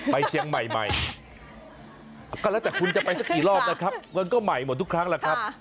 ไปเชียงใหม่ใหม่ก็แล้วแต่คุณจะไปสักกี่รอบนะครับมันก็ใหม่หมดทุกครั้งแหละครับ